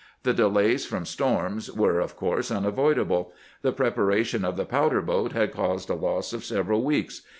The delays from storms were, of course, unavoidable. "The preparation of the powder boat had caused a loss of several weeks.